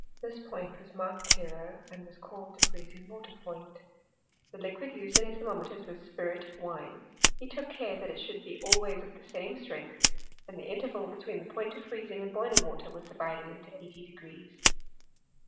This point was marked ttro, and was called the freezing water point. The liquid used in his thermometers was spirit of wine : h^ took care that it should be always of the same ^l strength, and the interval between the point of freez ff ing and boiling water was divided into eighty degrees.